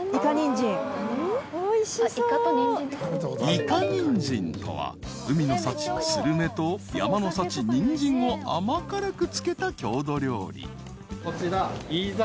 ［いかにんじんとは海の幸するめと山の幸ニンジンを甘辛く漬けた郷土料理］